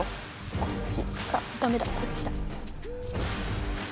こっちあダメだこっちだ。